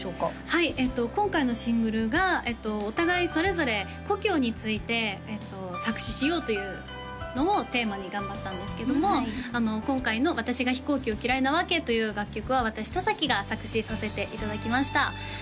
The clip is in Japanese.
はい今回のシングルがお互いそれぞれ故郷について作詞しようというのをテーマに頑張ったんですけども今回の「私が飛行機を嫌いな理由」という楽曲は私田が作詞させていただきました